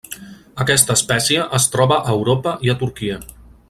Aquesta espècie es troba a Europa i a Turquia.